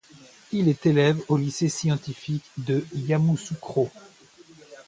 Il est élève au Lycée Scientifique de Yamoussoukro.